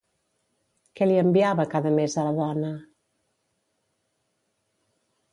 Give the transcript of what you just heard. Què li enviava cada mes a la dona?